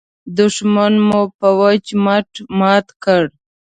دوښمن مو په وچ مټ مات کړ.